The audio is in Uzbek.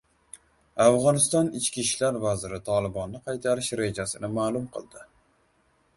Afg‘oniston ichki ishlar vaziri Tolibonni qaytarish rejasini ma’lum qildi